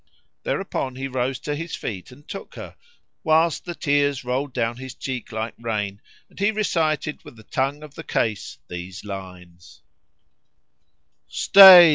'" Thereupon he rose to his feet and took her,[FN#28] whilst the tears rolled down his cheek like rain; and he recited with the tongue of the case these lines, "Stay!